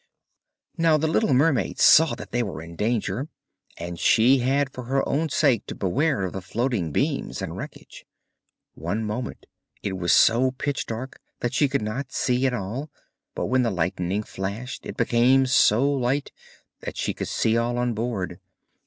Now the little mermaid saw that they were in danger, and she had for her own sake to beware of the floating beams and wreckage. One moment it was so pitch dark that she could not see at all, but when the lightning flashed it became so light that she could see all on board.